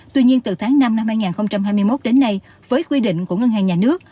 tuy nhiên từ tháng năm năm hai nghìn hai mươi một đến nay với quy định của ngân hàng nhà nước